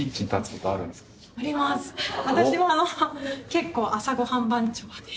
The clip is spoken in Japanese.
私はあの結構朝ご飯番長で。